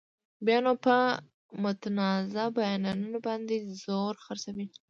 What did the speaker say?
بیا نو په متنازعه بیانونو باندې زور خرڅوو.